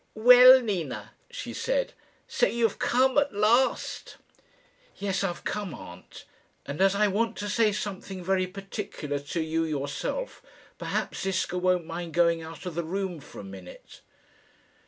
"Well, Nina," she said, "so you've come at last?" "Yes; I've come, aunt. And as I want to say something very particular to you yourself, perhaps Ziska won't mind going out of the room for a minute."